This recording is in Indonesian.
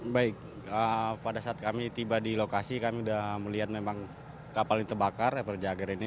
baik pada saat kami tiba di lokasi kami sudah melihat memang kapal yang terbakar everjager ini